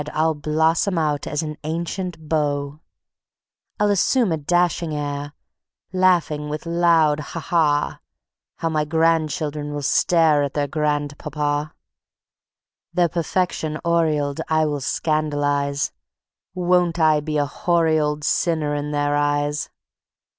I'll blossom out as an ancient beau. I'll assume a dashing air, laugh with loud Ha! ha! ... How my grandchildren will stare at their grandpapa! Their perfection aureoled I will scandalize: Won't I be a hoary old sinner in their eyes!